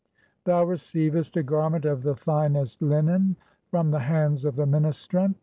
"Thou receivest a garment of the finest linen (32) from the "hands of the ministrant